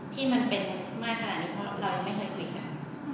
ที่มันเป็นมากขนาดนี้เพราะเรายังไม่เคยคุยกัน